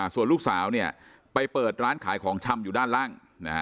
ส่วนลูกสาวไปเปิดร้านขายของชำอยู่ด้านล่าง